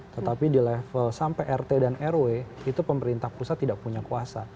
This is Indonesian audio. tetapi di level sampai rt dan rw itu pemerintah pusat tidak punya kuasa